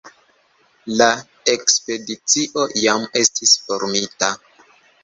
La ekspedicio jam estis formita.